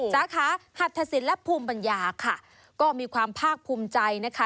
สาขาหัตถสินและภูมิปัญญาค่ะก็มีความภาคภูมิใจนะคะ